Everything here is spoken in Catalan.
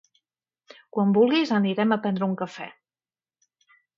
quan vulguis anirem a pendre un cafè.